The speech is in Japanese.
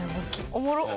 おもろっ。